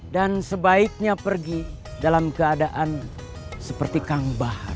dan sebaiknya pergi dalam keadaan seperti kang bahar